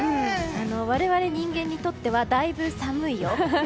我々人間にとってはだいぶ、寒いよ。